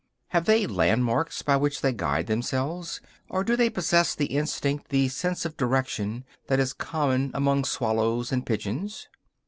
Have they landmarks by which they guide themselves, or do they possess the instinct, the sense of direction, that is common among swallows and pigeons?